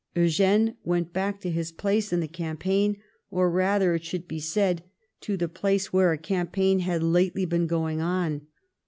Eugene went back to his place in the campaign, or rather, it should be said to the^ place where a campaign had lately been going on.